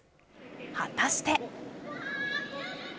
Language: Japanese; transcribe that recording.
果たして。